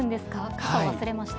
傘忘れました。